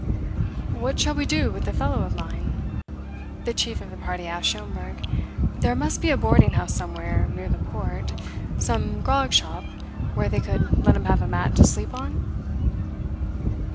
"What shall we do with the fellow of mine?" the chief of the party asked Schomberg. "There must be a boarding house somewhere near the port some grog shop where they could let him have a mat to sleep on?"